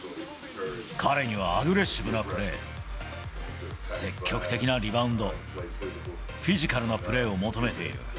彼にはアグレッシブなプレー、積極的なリバウンド、フィジカルなプレーを求めている。